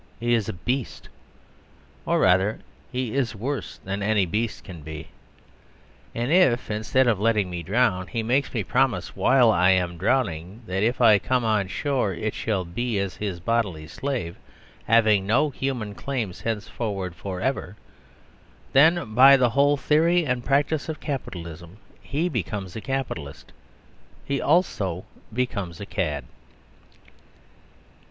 He is a beast. Or rather, he is worse than any beast can be. And if, instead of letting me drown, he makes me promise, while I am drowning, that if I come on shore it shall be as his bodily slave, having no human claims henceforward forever, then, by the whole theory and practice of capitalism, he becomes a capitalist, he also becomes a cad.